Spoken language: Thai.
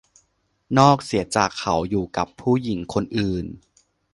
นอกเสียจากเขาอยู่กับผู้หญิงคนอื่น